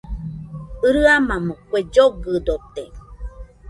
Rɨamamo kuena llogɨdote